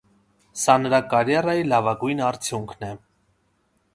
Սա նրա կարիերայի լավագույն արդյունքն է։